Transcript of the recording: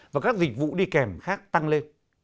và các dịch vụ đi kèm khác tăng lên